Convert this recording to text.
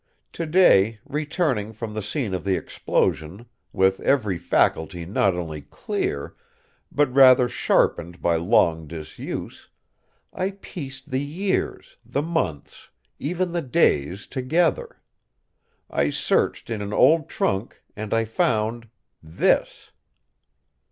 To day, returning from the scene of the explosion, with every faculty not only clear, but rather sharpened by long disuse, I pieced the years, the months, even the days together. I searched in an old trunk and I found this."